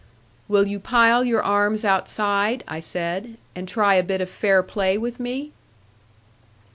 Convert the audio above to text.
'Will you pile your arms outside,' I said, 'and try a bit of fair play with me?'